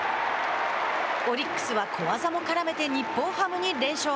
オリックスは小技も絡めて日本ハムに連勝。